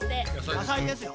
野菜ですよ。